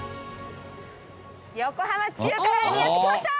横浜中華街にやって来ました！